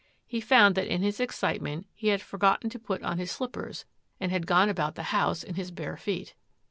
He found that in his excitement he had forgotten to put on his slippers and had gone about the house in his bare feet.